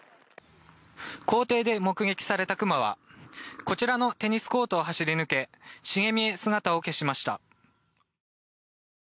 校庭で目撃されたクマはこちらのテニスコートを走り抜け茂みへ姿を消しました。